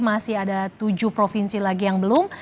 masih ada tujuh provinsi lagi yang belum